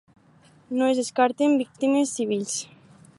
No es descarten víctimes civils.